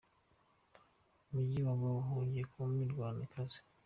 Umujyi wa Gao wongeye kubamo imirwano ikaze